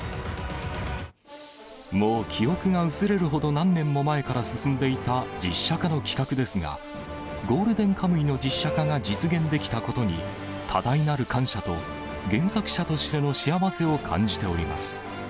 もう記憶が薄れるほど何年も前から進んでいた、実写化の企画ですが、ゴールデンカムイの実写化が実現できたことに、多大なる感謝と、原作者としての幸せを感じております。